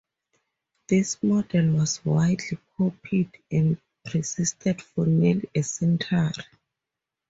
This model was widely copied and persisted for nearly a century.